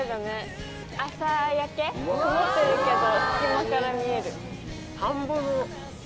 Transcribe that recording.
曇ってるけど隙間から見える。